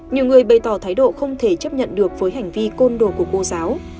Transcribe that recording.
nhiều người bày tỏ thái độ không thể chấp nhận được với hành vi côn đồ của cô giáo